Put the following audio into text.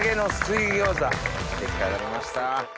出来上がりました。